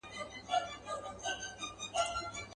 داسي څانګه به له کومه څوک پیدا کړي.